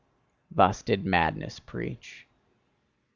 Thus did madness preach.